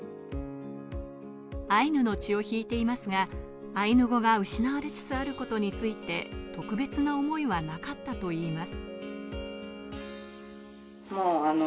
アイヌの血を引いていますが、アイヌ語が失われつつあることについて特別な思いはなかったといいます。